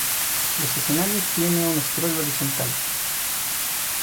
Los escenarios tiene un scroll horizontal.